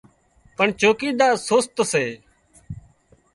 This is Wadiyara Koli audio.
پڻ چوڪيدار سست سي